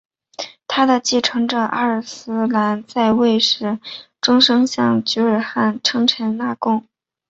他的继承者阿尔斯兰在位时终生向菊儿汗称臣纳贡。